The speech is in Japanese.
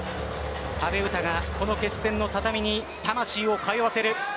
阿部詩がこの決戦の畳に魂を通わせる。